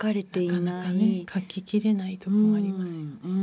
なかなかね書ききれないとこもありますよね。